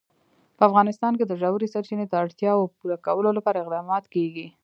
په افغانستان کې د ژورې سرچینې د اړتیاوو پوره کولو لپاره اقدامات کېږي.